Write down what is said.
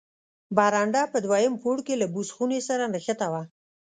برنډه په دوهم پوړ کې له بوس خونې سره نښته وه.